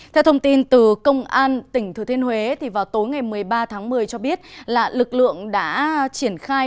theo thông tin từ công an tỉnh thừa thiên huế vào tối ngày một mươi ba tháng một mươi cho biết là lực lượng đã triển khai